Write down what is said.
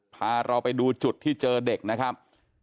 พาเราไปดูจุดที่เจอเด็กนะครับ